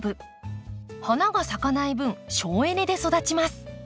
花が咲かない分省エネで育ちます。